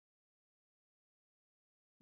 دوی له اقتصادي بحرانونو ژر وځي.